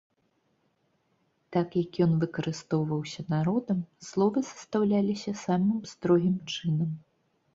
Так як ён выкарыстоўваўся народам, словы састаўляліся самым строгім чынам.